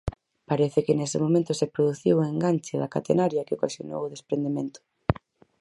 Parece que nese momento se produciu un enganche da catenaria que ocasionou o desprendemento.